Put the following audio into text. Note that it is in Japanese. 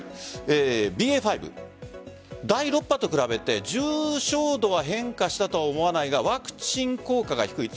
ＢＡ．５第６波と比べて重症度は変化したとは思わないがワクチン効果が低い。